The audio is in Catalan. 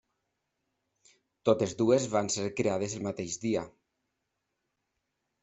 Totes dues van ser creades el mateix dia.